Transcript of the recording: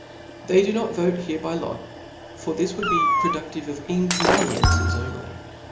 They do not vote here by lot, for this Would be produftive of inconveniencies only.